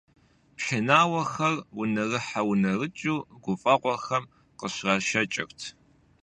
Пшынауэхэр унэрыхьэ-унэрыкӀыу гуфӀэгъуэхэм къыщрашэкӀырт.